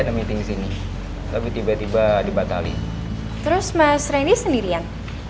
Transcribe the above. ada meeting sini tapi tiba tiba dibatali terus mas rendy sendirian